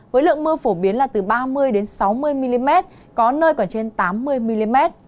với lượng mưa phổ biến là từ ba mươi sáu mươi mm có nơi còn trên tám mươi mm